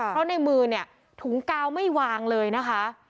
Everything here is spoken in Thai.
เพราะในมือเนี่ยถุงกาวไม่วางเลยนะคะ